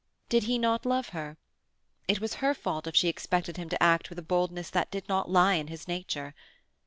Did he not love her? It was her fault if she expected him to act with a boldness that did not lie in his nature.